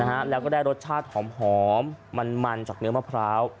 นะฮะแล้วก็ได้รสชาติหอมหอมมันมันจากเนื้อมะพร้าว